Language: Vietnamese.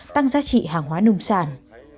tăng giá trị hàng hóa nông sản